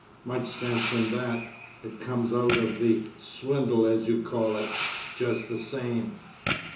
Much sense in that! It comes out of the swindle as you call it—just the same."